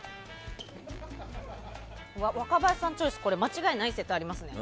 若林さんチョイスは間違いない説がありますね。